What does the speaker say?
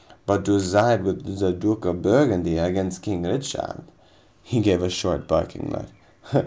But to side with the Duke of Burgundy against King Richard " He gave a short, barking laugh.